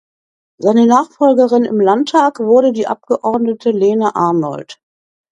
Seine Nachfolgerin im Landtag wurde die Abgeordnete Lena Arnoldt.